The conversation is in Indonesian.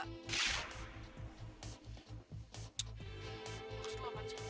kamu harus ngelawan sih